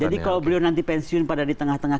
jadi kalau beliau nanti pensiun pada di tengah tengah